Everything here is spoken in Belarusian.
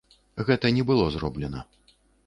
Гэта не было зроблена.